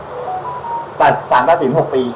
แต่๓๖ปี๖ปี